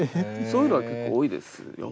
そういうのは結構多いですよ。